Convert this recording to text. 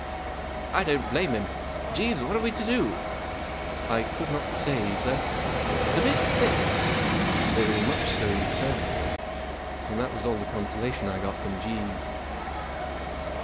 " I don't blame him. Jeeves, what are we to do ?" 44 I could not say, sir." 44 It's a bit thick." 44 Very much so, sir." And that was all the consolation I got from Jeeves.